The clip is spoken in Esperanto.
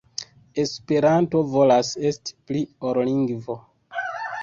Esperanto volas esti pli ol lingvo.